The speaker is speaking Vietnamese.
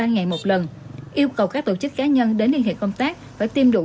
ba ngày một lần yêu cầu các tổ chức cá nhân đến liên hệ công tác phải tiêm đủ